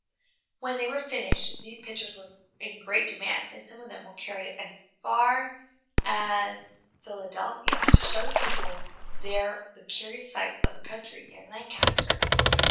When they were finished these pictures were in great demand, and some of them were carried as far as Philadelphia, to show the people there the curious sights of the country near Lancaster.